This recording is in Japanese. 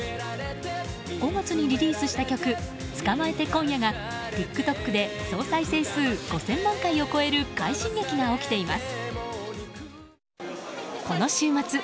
５月にリリースした曲「捕まえて、今夜。」がＴｉｋＴｏｋで総再生数５０００万回を超える快進撃が起きています。